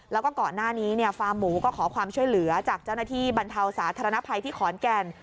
แล้วก็ก่อนหน้านี้ฟาร์มหมูก็ขอความช่วยเหลือจากเจ้าหน้าที่บรรเทาสาธารณภัยที่ขอนแก่น